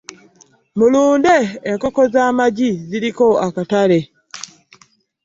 Mulunde enkoko z'amagi ziriko akatale.